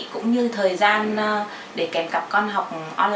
cũng như thời gian học